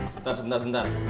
sebentar sebentar sebentar